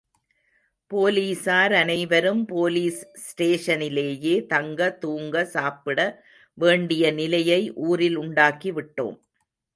போலீசார் அனைவரும் போலீஸ் ஸ்டேஷனிலேயே தங்க, தூங்க, சாப்பிட வேண்டிய நிலையை ஊரில் உண்டாக்கிவிட்டோம்.